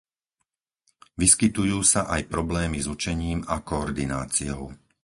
Vyskytujú sa aj problémy s učením a koordináciou.